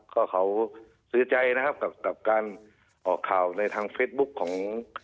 ก็เขาเสียใจนะครับกับการออกข่าวในทางเฟซบุ๊คของ